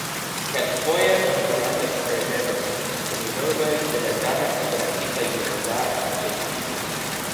Kelkfoje oni aranĝas prelegojn kun junuloj de la Dana Esperantista Junulara Asocio.